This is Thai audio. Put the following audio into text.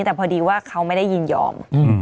แต่พอดีว่าเขาไม่ได้ยินยอม